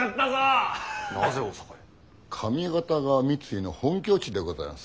上方が三井の本拠地でございます。